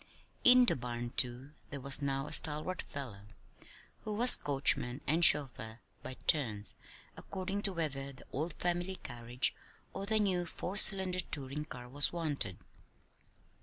In the barn, too, there was now a stalwart fellow who was coachman and chauffeur by turns, according to whether the old family carriage or the new four cylinder touring car was wanted.